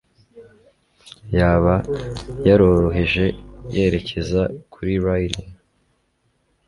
yaba yaroroheje yerekeza kuri Riley?